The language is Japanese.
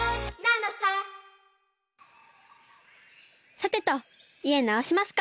さてといえなおしますか。